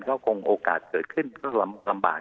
ก็คงโอกาสเกิดขึ้นก็ลำบาก